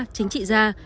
chính trị gia